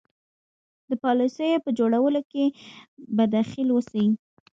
د پالیسیو په جوړولو کې به دخیل اوسي.